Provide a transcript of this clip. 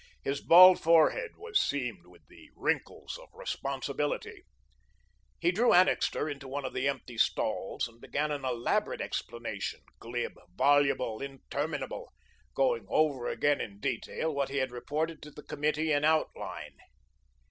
His bald forehead was seamed with the wrinkles of responsibility. He drew Annixter into one of the empty stalls and began an elaborate explanation, glib, voluble, interminable, going over again in detail what he had reported to the committee in outline.